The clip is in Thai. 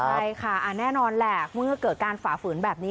ใช่ค่ะแน่นอนแหละเมื่อเกิดการฝ่าฝืนแบบนี้